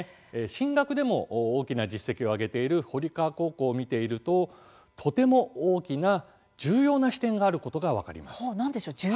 進学でも大きな実績を挙げている堀川高校を見ているととても大きな重要な視点があることが分かります。